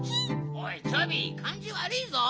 おいチョビかんじわりいぞ。